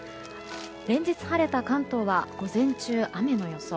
連日、晴れた関東は午前中、雨の予想。